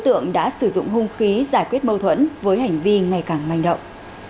tượng đã sử dụng hung khí giải quyết mâu thuẫn với hành vi ngày càng manh động